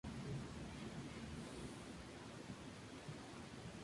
La viga es uno de los elementos cruciales.